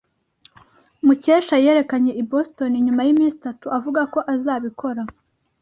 Mukesha yerekanye i Boston nyuma yiminsi itatu avuga ko azabikora.